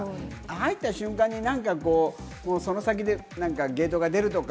入った瞬間に何かその先でゲートが出るとか。